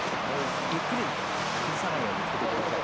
ゆっくり崩さないようにいってください。